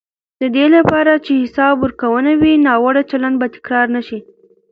د دې لپاره چې حساب ورکونه وي، ناوړه چلند به تکرار نه شي.